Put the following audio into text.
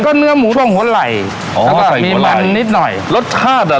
เนื้อหมูทงหัวไหล่อ๋อแล้วก็มีมันนิดหน่อยรสชาติอ่ะ